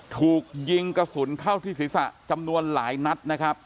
ถูกยิงกระสุนเข้าที่ศีรษะจำนวนหลายนัดนะครับ